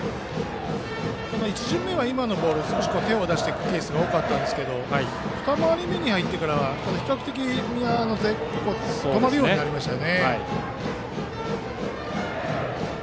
１巡目は今のボールを少し手を出すケースが多かったんですが二回り目に入って比較的みんな止まるようになりましたね。